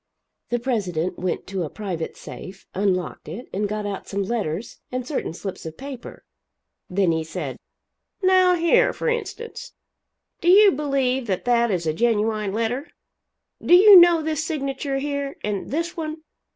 The president went to a private safe, unlocked it and got out some letters and certain slips of paper. Then he said: "Now here, for instance; do you believe that that is a genuine letter? Do you know this signature here? and this one?